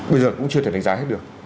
bây giờ cũng chưa thể đánh giá hết được